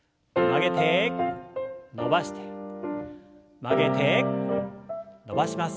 曲げて伸ばして曲げて伸ばします。